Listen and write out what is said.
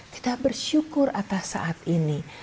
tidak bersyukur atas saat ini